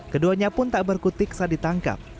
keduanya pun tak berkutik saat ditangkap